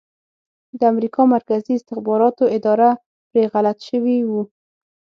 د امریکا مرکزي استخباراتو اداره پرې غلط شوي وو